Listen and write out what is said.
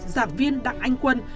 giảng viên đặng anh quân